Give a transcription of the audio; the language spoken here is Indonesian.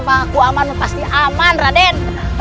aku aman pasti aman raden